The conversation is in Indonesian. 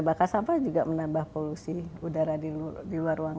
bahkan sampah juga menambah polusi udara di luar ruangan